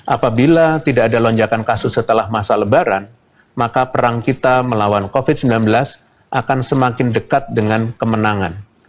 apabila tidak ada lonjakan kasus setelah masa lebaran maka perang kita melawan covid sembilan belas akan semakin dekat dengan kemenangan